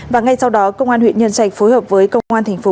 và ngay sau đó công an huyện nhân trạch phối hợp với công an thành phố